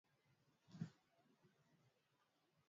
Ndama huweza kufa baada ya minyoo kusambaa sana